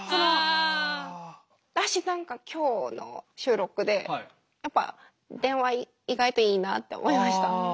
私何か今日の収録でやっぱ電話意外といいなって思いました。